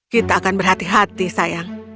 kita akan berhati hati sayang